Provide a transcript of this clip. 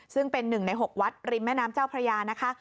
ซึ่งเป็น๑ใน๖วัดริมแม่น้ำเจ้าพระยานะคะ